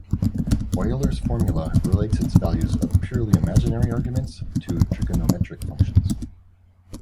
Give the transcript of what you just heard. Euler's formula relates its values at purely imaginary arguments to trigonometric functions.